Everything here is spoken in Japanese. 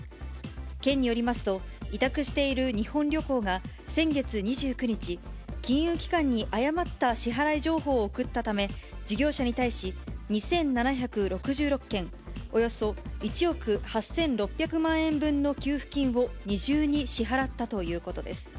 県によりますと、委託している日本旅行が先月２９日、金融機関に誤った支払い情報を送ったため、事業者に対し、２７６６件、およそ１億８６００万円分の給付金を二重に支払ったということです。